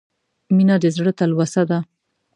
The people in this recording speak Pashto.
• مینه د زړه تلوسه ده.